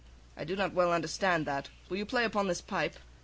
"I do not well understand that. Will you play upon this pipe?"